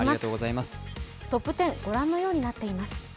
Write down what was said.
トップ１０、ご覧のようになっています。